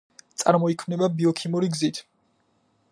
წარმოიქმნება ბიოქიმიური გზით.